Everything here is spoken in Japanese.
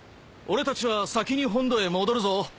俺たちは先に本土へ戻るぞ。